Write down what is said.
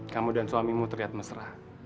kamu dan suamimu terlihat mesra